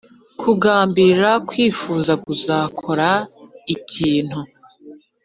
kugambirira: kwifuza kuzakora ikintu